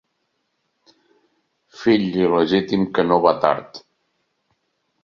Fill il·legítim que no va tard.